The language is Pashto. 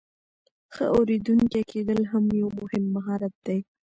ښه اوریدونکی کیدل هم یو مهم مهارت دی.